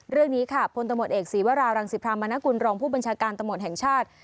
เรื่องนี้ค่ะพลตำรวจเอกศีวรารังสิพรามนกุลรองผู้บัญชาการตำรวจแห่งชาติ